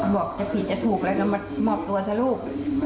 บอกจะผิดจะถูกแล้วก็มามอบตัวซะลูก